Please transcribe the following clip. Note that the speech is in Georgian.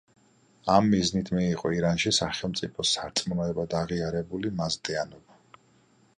ამ მიზნით მიიღო ირანში სახელმწიფო სარწმუნოებად აღიარებული მაზდეანობა.